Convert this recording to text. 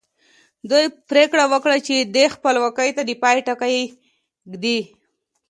دوی پرېکړه وکړه چې دې خپلوۍ ته د پای ټکی ږدي